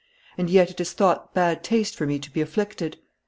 And yet it is thought bad taste for me to be afflicted!"